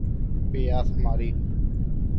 پیاس مری